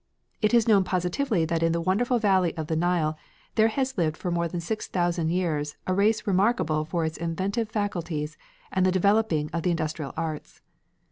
It is known positively that in the wonderful valley of the Nile there has lived for more than six thousand years a race remarkable for its inventive faculties and the developing of the industrial arts.